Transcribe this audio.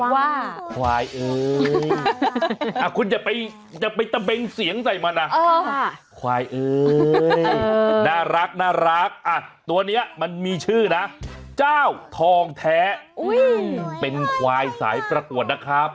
ว่าควายเอ้ยคุณอย่าไปอย่าไปตะเบงเสียงใส่มันนะควายเอ้ยน่ารักตัวนี้มันมีชื่อนะเจ้าทองแท้เป็นควายสายประกวดนะครับ